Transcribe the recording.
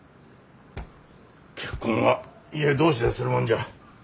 結婚は家同士でするもんじゃ。